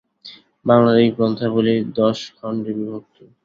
বাংলায় এই গ্রন্থাবলী দশ খণ্ডে বিভক্ত।